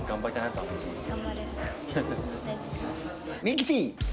ミキティ。